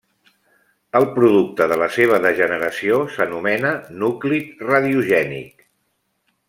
El producte de la seva degeneració s'anomena núclid radiogènic.